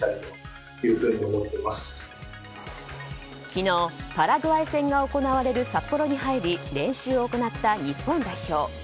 昨日、パラグアイ戦が行われる札幌に入り練習を行った日本代表。